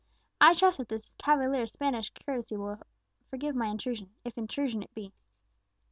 I trust that the cavalier's Spanish courtesy will forgive my intrusion, if intrusion it be.